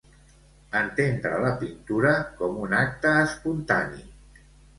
Entendre la pintura com un acte espontani.